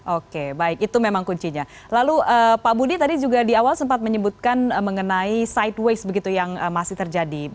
oke baik itu memang kuncinya lalu pak budi tadi juga di awal sempat menyebutkan mengenai sideways begitu yang masih terjadi